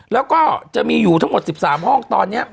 แล้วก็จะมีอยู่ทั้งหมด๑๓ห้องตอนนี้